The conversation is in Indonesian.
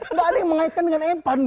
enggak ada yang mengaitkan dengan epan gitu